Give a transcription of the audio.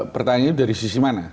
pertanyaannya dari sisi mana